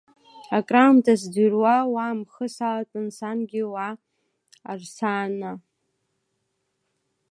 Акраамҭа сӡырҩуа уа амхы салатәан, сангьы, уаа, Арсана!